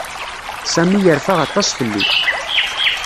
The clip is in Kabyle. Sami yerfa aṭas fell-i.